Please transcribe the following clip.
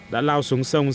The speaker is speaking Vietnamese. đã lao xuống sông